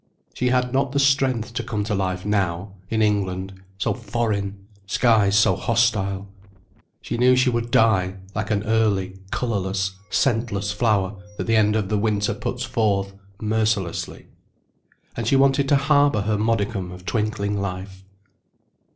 She had not the strength to come to life now, in England, so foreign, skies so hostile. She knew she would die like an early, colourless, scentless flower that the end of the winter puts forth mercilessly. And she wanted to harbour her modicum of twinkling life.